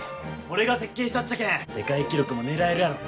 俺が設計したっちゃけん世界記録も狙えるやろ。